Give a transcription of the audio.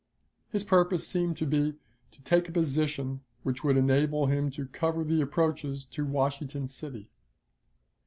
His purpose seemed to be to take a position which would enable him to cover the approaches to Washington City.